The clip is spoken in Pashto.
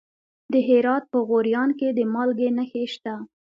د هرات په غوریان کې د مالګې نښې شته.